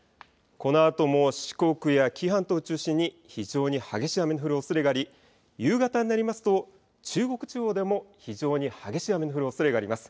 このあとも四国や紀伊半島を中心に非常に激しい雨の降るおそれがあり夕方になりますと中国地方でも非常に激しい雨の降るおそれがあります。